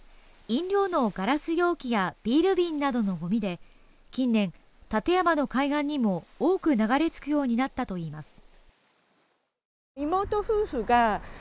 飲料のガラス容器やビール瓶などのごみで近年、館山の海岸にも多く流れ着くようになったといいます。